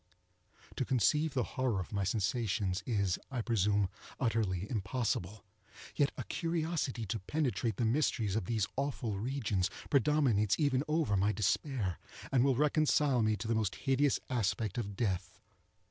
To conceive the horror of my sensations is, I presume, utterly impossible; yet a curiosity to penetrate the mysteries of these awful regions, predominates even over my despair, and will reconcile me to the most hideous aspect of death.